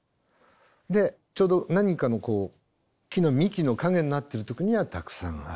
でちょうど何かのこう木の幹の陰になってるとこにはたくさんある。